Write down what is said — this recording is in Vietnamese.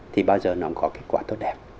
thì bao giờ nó cũng có kết quả tốt đẹp